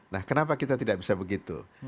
nah kenapa kita tidak bisa begitu